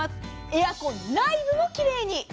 エアコン内部も奇麗に。